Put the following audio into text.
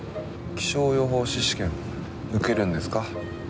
気象予報士試験受けるんですか？